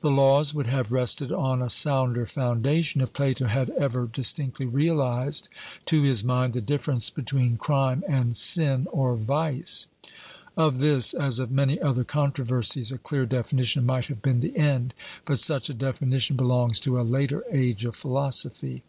The Laws would have rested on a sounder foundation, if Plato had ever distinctly realized to his mind the difference between crime and sin or vice. Of this, as of many other controversies, a clear definition might have been the end. But such a definition belongs to a later age of philosophy.